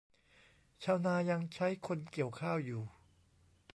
ชาวนายังใช้คนเกี่ยวข้าวอยู่